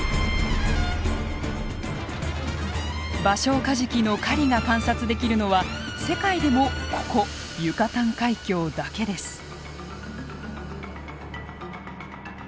バショウカジキの狩りが観察できるのは世界でもここユカタン海峡だけです。